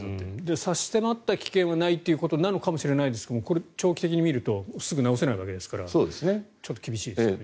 差し迫った危険はないということかもしれませんがこれ、長期的に見るとすぐに直せないわけですからちょっと厳しいですね。